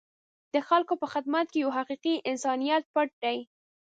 د خلکو په خدمت کې یو حقیقي انسانیت پټ دی.